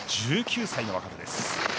１９歳の若手です。